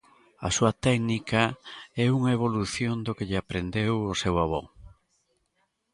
A súa técnica é unha evolución do que lle aprendeu o seu avó.